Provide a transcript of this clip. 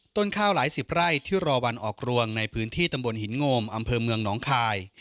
ต้นข้าวหลายสิบไร่ที่รอวันออกรวงในพื้นที่ตำบลหินโงมอำเภอเมืองหนองคาย